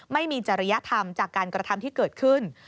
ไม่มีจริยธรรมจากการกระทำที่เกิดขึ้น